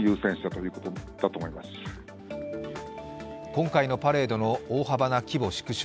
今回のパレードの大幅な規模縮小。